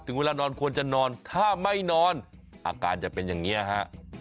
เวลานอนควรจะนอนถ้าไม่นอนอาการจะเป็นอย่างนี้ฮะ